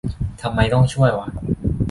ทำไมต้องช่วยวะ